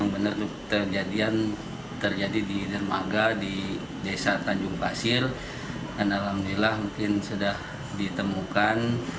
benar terjadi di dermaga di desa tanjung pasir dan alhamdulillah mungkin sudah ditemukan